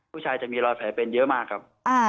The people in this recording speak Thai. จะมีรอยแผลเป็นเยอะมากครับ